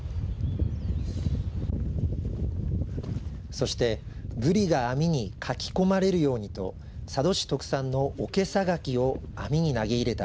そしてブリが網にかき込まれるようにと佐渡市特産のおけさ柿を網に投げ入れた